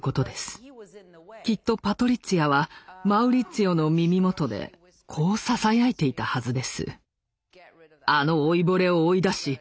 きっとパトリッツィアはマウリッツィオの耳元でこうささやいていたはずです。